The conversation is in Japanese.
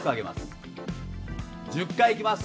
１０回いきます